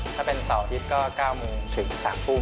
ถ้าเป็นเสาร์อาทิตย์ก็๙โมงถึง๓ทุ่ม